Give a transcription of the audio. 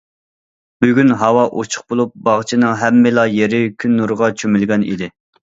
بۈگۈن ھاۋا ئوچۇق بولۇپ، باغچىنىڭ ھەممىلا يېرى كۈن نۇرىغا چۆمۈلگەن ئىدى.